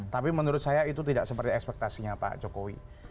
tapi menurut saya itu tidak seperti ekspektasinya pak jokowi